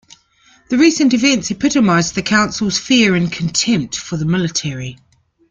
The recent events epitomised the Council's "fear and contempt" for the military.